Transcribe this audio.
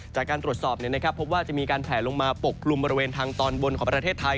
จากการตรวจสอบพบว่าจะมีการแผลลงมาปกกลุ่มบริเวณทางตอนบนของประเทศไทย